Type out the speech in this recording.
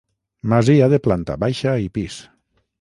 Masia de planta baixa i pis.